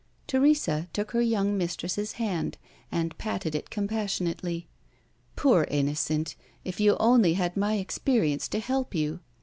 Teresa took her young mistress's hand, and patted it compassionately. "Poor innocent, if you only had my experience to help you!